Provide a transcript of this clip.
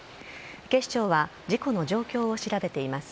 警視庁は事故の状況を調べています。